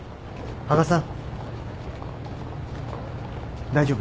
羽賀さん！